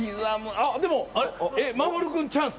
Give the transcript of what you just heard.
あっでも「まもる君チャンス」。